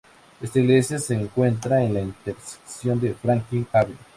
Ésta iglesia se encuentra en la intersección de Franklin Ave.